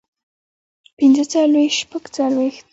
پنځۀ څلوېښت شپږ څلوېښت